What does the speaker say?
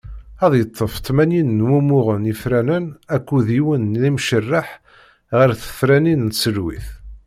Ad yeṭṭef tmanyin n wumuɣen ifranen akked yiwen n yimrecceḥ ɣer tefranin n tselwit.